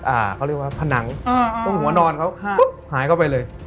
อ่าเขาเรียกว่าผนังอ่าตรงหัวนอนเขาฮะหายเข้าไปเลย